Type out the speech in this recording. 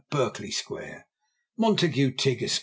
Berkeley Square. MONTAGUE TIGG, Esq.